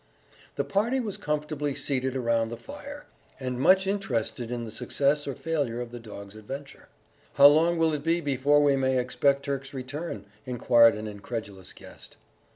The party were comfortably seated around the fire, and much interested in the success or failure of the dog's adventure. "How long will it be before we may expect Turk's return?" inquired an incredulous guest.